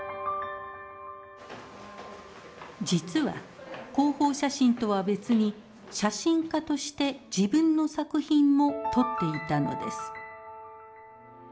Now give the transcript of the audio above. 実は広報写真とは別に写真家として自分の作品も撮っていたのです。